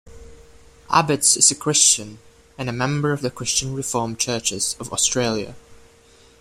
Abetz is a Christian and a member of the Christian Reformed Churches of Australia.